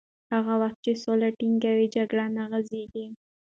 هغه مهال چې سوله ټینګه وي، جګړه نه غځېږي.